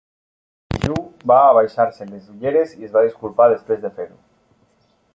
Hee-ju va abaixar-se les ulleres i es va disculpar després de fer-ho.